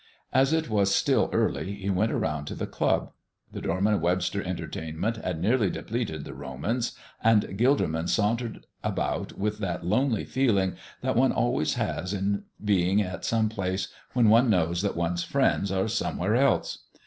As it was still early he went around to the club. The Dorman Webster entertainment had nearly depleted the "Romans," and Gilderman sauntered about with that lonely feeling that one always has in being at some place when one knows that one's friends are somewhere else.